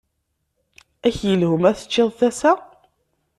Ad k-yelhu ma teččiḍ tasa?